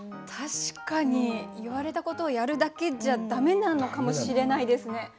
確かに言われたことをやるだけじゃだめなのかもしれないですね。